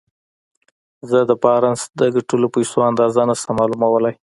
زه د بارنس د ګټلو پيسو اندازه نه شم معلومولای.